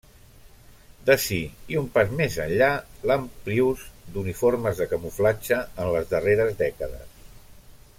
D'ací, i un pas més enllà, l'ampli ús d'uniformes de camuflatge en les darreres dècades.